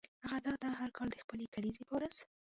هغه دا ده هر کال د خپلې کلیزې په ورځ.